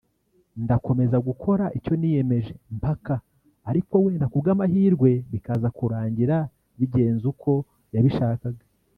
ndakomeza gukora icyo niyemeje mpaka” ariko wenda ku bw’ amahirwe bikaza kurangira bigenze uko yabishakaga